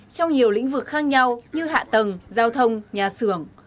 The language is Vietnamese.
trong nhiều lĩnh vực khác nhau như hạ tầng giao thông nhà xưởng